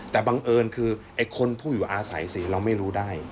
แต่บังเอิญคือไอ้คนผู้อยู่อาศัยสิเราไม่รู้ได้